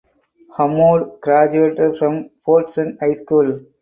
Hammoud graduated from Fordson High School.